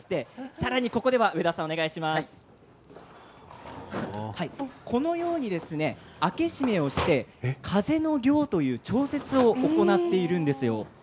さらに、ここではこのように開け閉めをして風の量の調節を行っているんです。